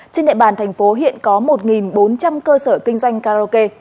trên địa bàn thành phố hiện có một bốn trăm linh cơ sở kinh doanh karaoke